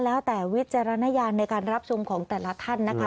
แล้วแต่วิจารณญาณในการรับชมของแต่ละท่านนะคะ